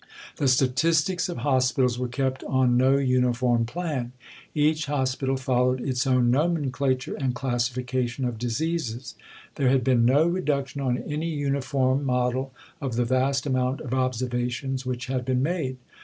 The statistics of hospitals were kept on no uniform plan. Each hospital followed its own nomenclature and classification of diseases. There had been no reduction on any uniform model of the vast amount of observations which had been made.